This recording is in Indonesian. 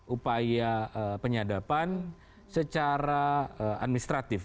upaya penyadapan secara administratif